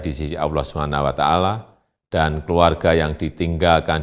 di sisi allah swt dan keluarga yang ditinggalkan